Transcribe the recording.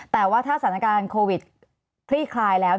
แต่ว่าถ้าสถานการณ์โควิดคลี่คลายแล้ว